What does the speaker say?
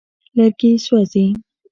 لرګي سوځوي.